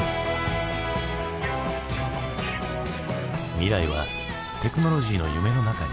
未来はテクノロジーの夢の中に。